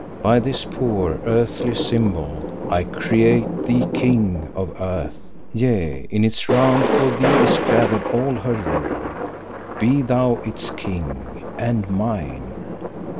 "By this poor, earthly symbol I create thee King of Earth; yea in its round for thee is gathered all her rule. Be thou its king, and mine!"